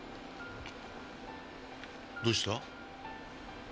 どうした？